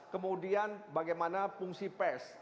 kemudian bagaimana fungsi pes